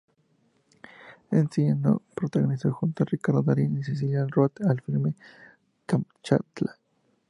En cine co-protagonizó junto a Ricardo Darín y Cecilia Roth el filme "Kamchatka".